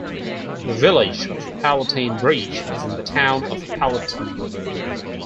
The Village of Palatine Bridge is in the Town of Palatine.